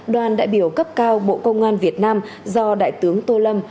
đoàn đại biểu cấp cao bộ công an việt nam do đại tướng tô lâm